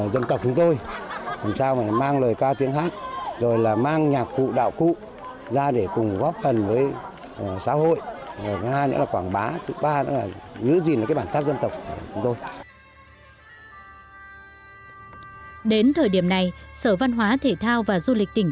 đến thời điểm này sở văn hóa thể thao và du lịch tỉnh